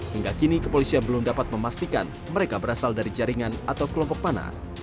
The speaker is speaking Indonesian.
hingga kini kepolisian belum dapat memastikan mereka berasal dari jaringan atau kelompok panah